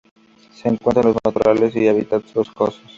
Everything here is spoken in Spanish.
Se encuentra en los matorrales y hábitats boscosos.